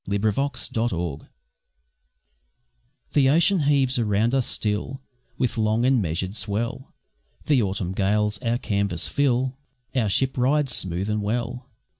An Exile's Farewell The ocean heaves around us still With long and measured swell, The autumn gales our canvas fill, Our ship rides smooth and well.